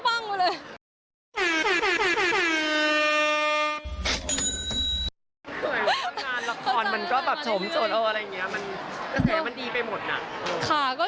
คนเดียวจะไปว่าเห็น